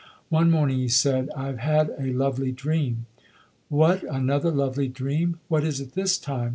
One morning he said, "I have had a lovely dream". "What, another lovely dream? What is it this time?"